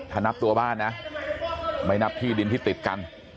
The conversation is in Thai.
ถ้านับตัวบ้านนะไม่นับที่ดินที่ติดกัน